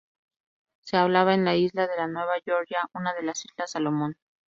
Se hablaba en la isla de Nueva Georgia, una de las Islas Salomón.